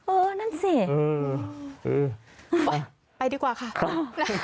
เออนั่นสิไปดีกว่าค่ะ